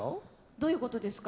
どういうことですか？